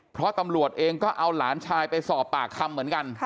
เพราะตำรวจเองก็เอาหลานชายไปสอบปากคำเหมือนกัน